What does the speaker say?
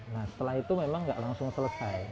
nah setelah itu memang nggak langsung selesai